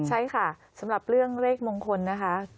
ใช่ค่ะสำหรับเรื่องเลขมงคลนะคะ